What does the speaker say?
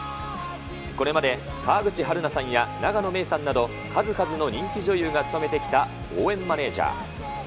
これまで川口春奈さんや永野芽郁さんなど、数々の人気女優が務めてきた応援マネージャー。